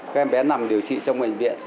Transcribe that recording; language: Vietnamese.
các em bé nằm điều trị trong ngành viện